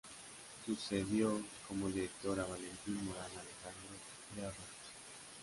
Sucedió como director a Valentín Morán Alejandro Lerroux.